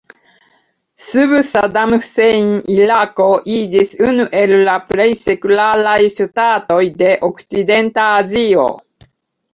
Sub Saddam Hussein Irako iĝis unu el la plej sekularaj ŝtatoj de okcidenta Azio.